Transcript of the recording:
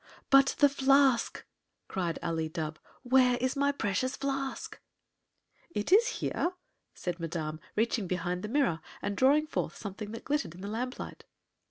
"But the flask!" cried Ali Dubh. "Where is my precious flask?" "It is here," said Madame, reaching behind the mirror and drawing forth something that glittered in the lamplight.